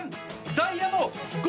ダイヤの５！